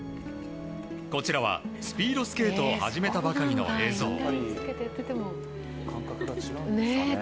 こちらは、スピードスケートを始めたばかりころの映像。